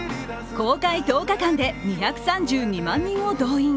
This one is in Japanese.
公開１０日間で２３２万人を動員。